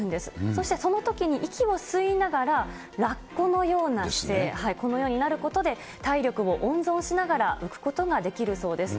そしてそのときに息を吸いながら、ラッコのような姿勢、このようになることで、体力を温存しながら浮くことができるそうです。